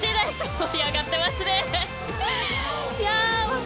盛り上がってますね。